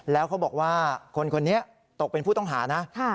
แล้วเขาบอกว่าคนคนนี้ตกเป็นผู้ต้องหานะ